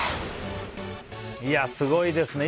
すごいですね。